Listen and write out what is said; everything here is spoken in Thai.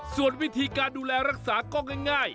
ส่วนวิธีการดูแลรักษาก็ง่าย